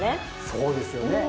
そうですよね。